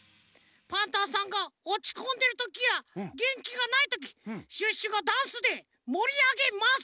パンタンさんがおちこんでるときやげんきがないときシュッシュがダンスでもりあげます。